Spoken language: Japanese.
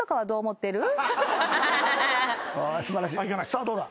さあどうだ。